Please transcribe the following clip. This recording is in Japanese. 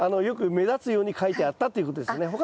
よく目立つように書いてあったということですね。